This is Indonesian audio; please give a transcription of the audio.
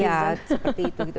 ya seperti itu